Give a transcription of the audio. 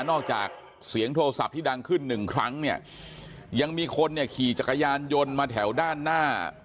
นอกจากเสียงโทรศัพท์ที่ดังขึ้น๑ครั้งยังมีคนขี่จักรยานยนต์มาแถวด้านหน้า